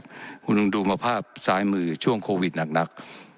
คุณลูกน้องดูมภาพสายมือช่วงโควิดหนัก